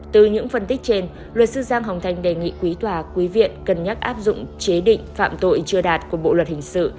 từ những phân tích trên luật sư giang hồng thành đề nghị quý tòa quý viện cân nhắc áp dụng chế định phạm tội chưa đạt của bộ luật hình sự